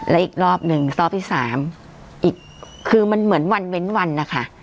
และอีกรอบหนึ่งรอบที่สามอีกคือมันเหมือนวันเว้นวันนะคะ